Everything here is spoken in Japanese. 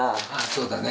そうだね。